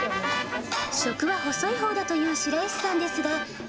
食は細いほうだという白石さんですが。